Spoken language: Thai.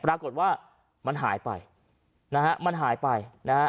ปรากฏว่ามันหายไปนะฮะมันหายไปนะฮะ